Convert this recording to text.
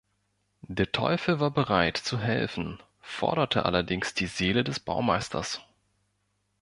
Der Teufel war bereit, zu helfen, forderte allerdings die Seele des Baumeisters.